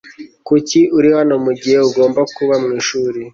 Kuki uri hano mugihe ugomba kuba mwishuri